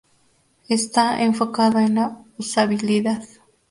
Está enfocado en la usabilidad.